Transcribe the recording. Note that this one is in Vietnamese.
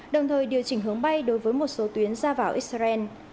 đồng thời điều chỉnh hướng bay đối với một số tuyến ra vào israel